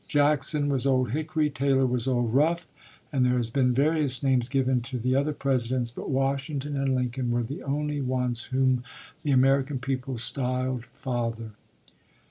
Jackson was "Old Hickory," Taylor was "Old Rough," and there have been various names given to the other Presidents, but Washington and Lincoln were the only ones whom the American people styled "Father."